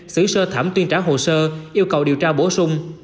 xử sơ thẩm tuyên trả hồ sơ yêu cầu điều tra bổ sung